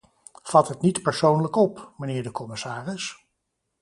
Vat het niet persoonlijk op, mijnheer de commissaris.